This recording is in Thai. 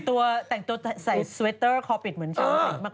ตัวแต่งตัวใส่สเวตเตอร์คอปิดเหมือนชาวเน็ตมาก